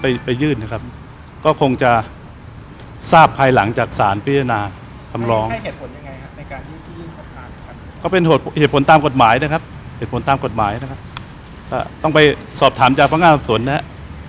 หรือคุณชายวัดก็มีการแม้งว่าน่าจะเป็นทศิษย์เกี่ยวกับอาญามากกว่ากันหรือเปล่า